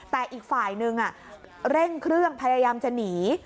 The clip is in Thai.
แต่อีกฝ่ายนึงเร่งเครื่องพยายามจะหนี